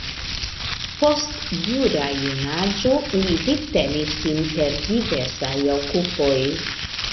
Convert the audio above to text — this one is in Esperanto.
Post dura junaĝo li vivtenis sin per diversaj okupoj.